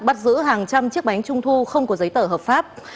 bắt giữ hàng trăm chiếc bánh trung thu không có giấy tờ hợp pháp